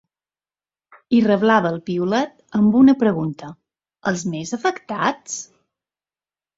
I reblava el piulet amb una pregunta: Els més afectats?